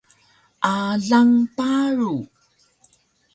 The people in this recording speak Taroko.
Alang paru